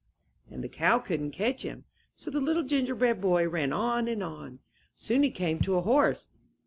And the cow couIdn^t catch him. So the Little Gingerbread Boy ran on and on. Soon he came to a horse.